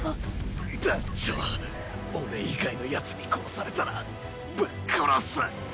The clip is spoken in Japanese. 団ちょ俺以外のヤツに殺されたらぶっ殺す。